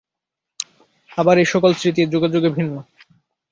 আবার এই-সকল স্মৃতি যুগে যুগে ভিন্ন।